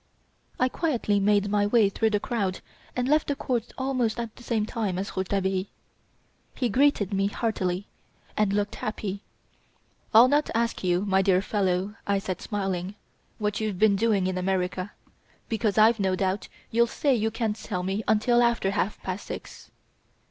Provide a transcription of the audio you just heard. I quietly made my way through the crowd and left the court almost at the same time as Rouletabille. He greeted me heartily, and looked happy. "I'll not ask you, my dear fellow," I said, smiling, "what you've been doing in America; because I've no doubt you'll say you can't tell me until after half past six."